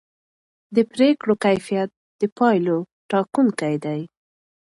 د پرېکړو کیفیت د پایلو ټاکونکی دی